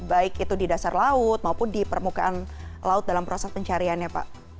baik itu di dasar laut maupun di permukaan laut dalam proses pencariannya pak